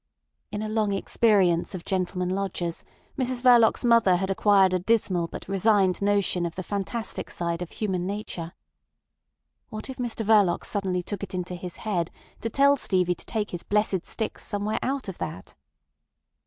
In a long experience of gentlemen lodgers, Mrs Verloc's mother had acquired a dismal but resigned notion of the fantastic side of human nature. What if Mr Verloc suddenly took it into his head to tell Stevie to take his blessed sticks somewhere out of that?